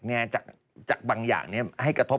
เนี่ยจากบางอย่างเนี่ยให้กระทบ